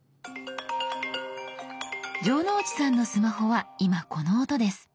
城之内さんのスマホは今この音です。